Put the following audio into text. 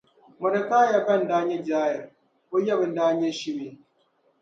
Mɔdɛkai ba n-daa nyɛ Jair. O yaba n-daa nyɛ Shimei.